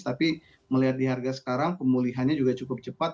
tapi melihat di harga sekarang pemulihannya juga cukup cepat